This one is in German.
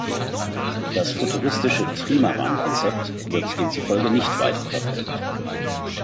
Das futuristische Trimaran-Konzept wird demzufolge nicht weiter verfolgt.